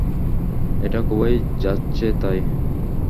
এটা খুবই যাচ্ছেতাই।